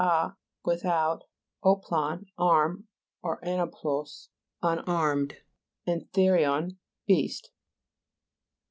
a, with out, oplon, arm, or anoplos, un armed ; and therion, beast.